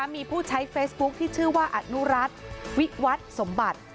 มีผู้ใช้เฟซบุ๊คที่ชื่อว่าอนุรัติวิวัตรสมบัติ